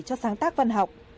cho sáng tác văn học